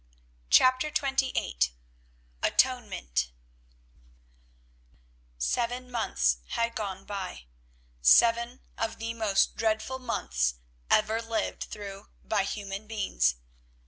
CHAPTER XXVIII ATONEMENT Seven months had gone by, seven of the most dreadful months ever lived through by human beings.